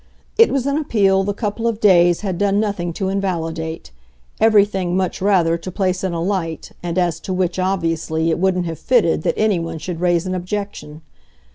It was an appeal the couple of days had done nothing to invalidate everything, much rather, to place in a light, and as to which, obviously, it wouldn't have fitted that anyone should raise an objection.